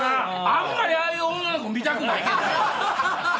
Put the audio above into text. あんまりああいう女の子見たくないけどね。